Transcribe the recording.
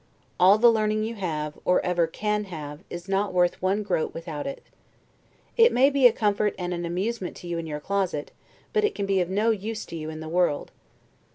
All the learning you have, or ever can have, is not worth one groat without it. It may be a comfort and an amusement to you in your closet, but can be of no use to you in the world.